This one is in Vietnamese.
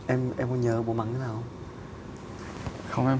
em có nhớ bố mắng thế nào không